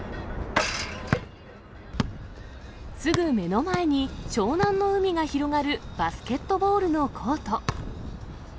すぐ目の前に湘南の海が広がるバスケットボールのコート。